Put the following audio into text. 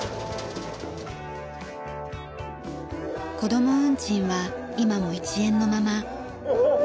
子供運賃は今も１円のまま。